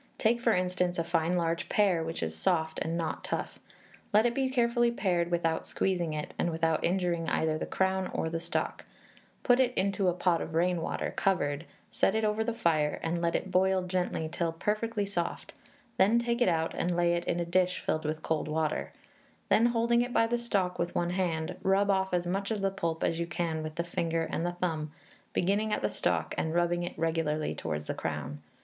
Take, for an instance, a fine large pear which is soft, and not tough; let it be carefully pared without squeezing it, and without injuring either the crown or the stalk; put it into a pot of rain water, covered, set it over the fire, and let it boil gently till perfectly soft, then take it out and lay it in a dish filled with cold water; then holding it by the stalk with one hand, rub off as much of the pulp as you can with the finger and thumb, beginning at the stalk and rubbing it regularly towards the crown.